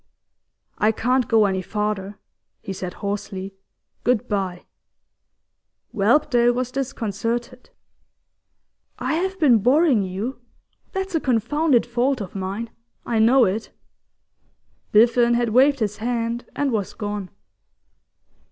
'I can't go any farther,' he said hoarsely. 'Good bye!' Whelpdale was disconcerted. 'I have been boring you. That's a confounded fault of mine; I know it.' Biffen had waved his hand, and was gone.